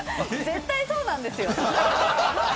絶対そうなんですよ。